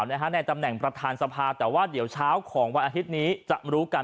ในตำแหน่งประธานสภาแต่ว่าเดี๋ยวเช้าของวันอาทิตย์นี้จะรู้กัน